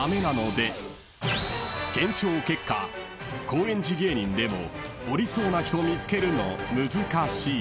［高円寺芸人でも降りそうな人見つけるの難しい］